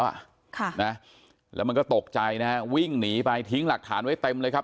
ค่ะนะแล้วมันก็ตกใจนะฮะวิ่งหนีไปทิ้งหลักฐานไว้เต็มเลยครับ